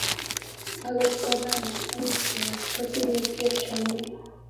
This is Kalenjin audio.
akot kora olesamis kweyot kotinye kerchonyi.